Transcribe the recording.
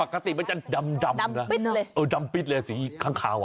ก็ติดไปจะดำนะดำปิดเลยสีค้างข่าว